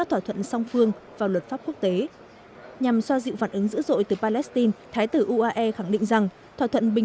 nhằm xoa dịu phản ứng dữ dội từ palestine thái tử uae khẳng định rằng thỏa thuận bình